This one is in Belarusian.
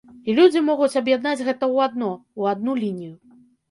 І людзі могуць аб'яднаць гэта ў адно, у адну лінію.